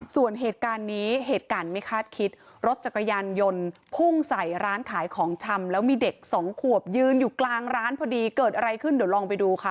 ส่วนเหตุการณ์นี้เหตุการณ์ไม่คาดคิดรถจักรยานยนต์พุ่งใส่ร้านขายของชำแล้วมีเด็กสองขวบยืนอยู่กลางร้านพอดีเกิดอะไรขึ้นเดี๋ยวลองไปดูค่ะ